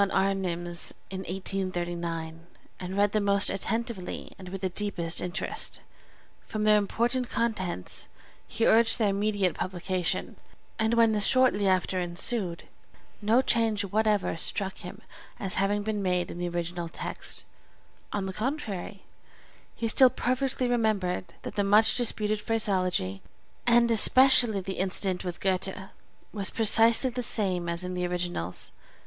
Arnim's in 1839, and read them most attentively and with the deepest interest. From their important contents, he urged their immediate publication; and when this shortly after ensued, no change whatever struck him as having been made in the original text; on the contrary, he still perfectly remembered that the much disputed phraseology (and especially the incident with Goethe) was precisely the same as in the originals.